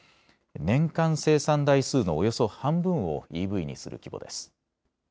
年間生産台数のおよそ半分をＥＶにする規模です。